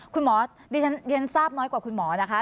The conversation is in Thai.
คุณหมอดิฉันเรียนทราบน้อยกว่าคุณหมอนะคะ